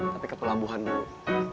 tapi ke pelabuhan dulu